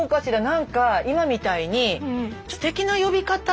何か今みたいにステキな呼び方？